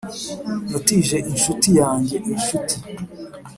natije inshuti yanjye inshuti.